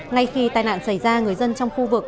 ngay khi tai nạn xảy ra người dân trong khu vực